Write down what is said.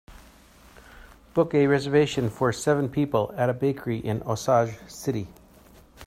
Book a reservation for seven people at a bakery in Osage City